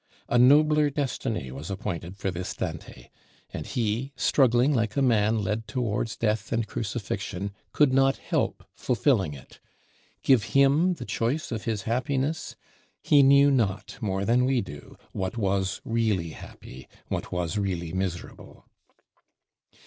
A nobler destiny was appointed for this Dante; and he, struggling like a man led towards death and crucifixion, could not help fulfilling it. Give him the choice of his happiness! He knew not, more than we do, what was really happy, what was really miserable.